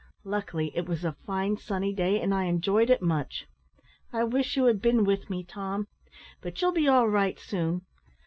Luckily it was a fine sunny day, and I enjoyed it much. I wish you had been with me, Tom; but you'll be all right soon.